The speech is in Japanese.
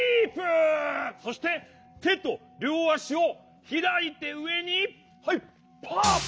そしててとりょうあしをひらいてうえにパッ！